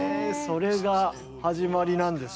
それが始まりなんで。